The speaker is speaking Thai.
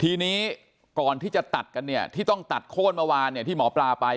ทีนี้ก่อนที่จะตัดกันเนี่ยที่ต้องตัดโค้นเมื่อวานเนี่ยที่หมอปลาไป